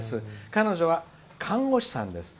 彼女は看護師さんです。